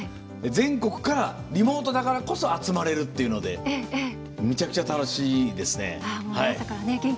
全国からリモートだからこそ集まれるっていうのでむちゃくちゃ楽しいですね。